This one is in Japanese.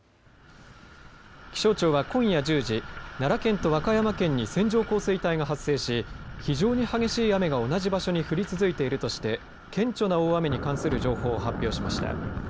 気象庁は、きょう今夜１０時奈良県と和歌山県に線状降水帯が発生し非常に激しい雨が同じ場所に降り続いているとして顕著な大雨に関する情報を発表しました。